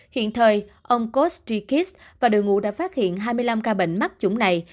hiện thời ông kostikis và đội ngũ đã phát hiện hai mươi năm ca bệnh mắc chúng này